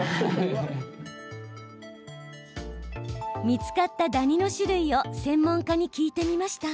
見つかったダニの種類を専門家に聞いてみました。